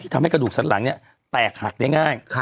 ทำให้กระดูกสันหลังแตกหักได้ง่าย